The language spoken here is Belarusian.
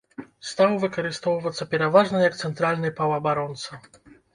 Стаў выкарыстоўвацца пераважна як цэнтральны паўабаронца.